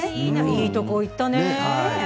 いいところに行ったね。